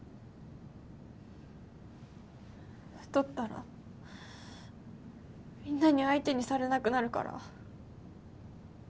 太ったらみんなに相手にされなくなるから。